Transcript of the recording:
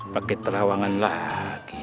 pakai terawangan lagi